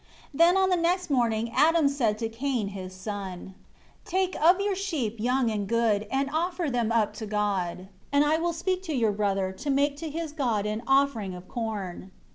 16 Then on the next morning Adam said to Cain his son, "Take of your sheep, young and good, and offer them up to your God; and I will speak to your brother, to make to his God an offering of corn."